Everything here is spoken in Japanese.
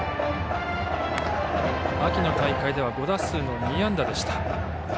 秋の大会では５打数の２安打でした。